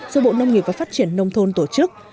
do bộ nông nghiệp và phát triển nông thôn tổ chức